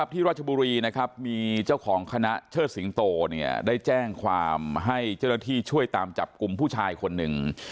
ที่ราชบุรีนะครับมีเจ้าของคณะเชิดสิงโตได้แจ้งความให้เจ้าหน้าที่ช่วยตามจับกลุ่มผู้ชายคนหนึ่ง